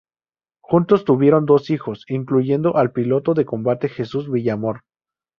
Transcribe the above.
Juntos tuvieron dos hijos, incluyendo al piloto de combate Jesús Villamor.